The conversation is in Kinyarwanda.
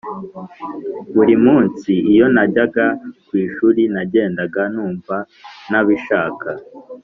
Burimunsi iyo najyaga kwishuri nagendaga numva ntabishaka